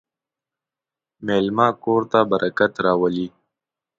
مېلمه کور ته برکت راولي.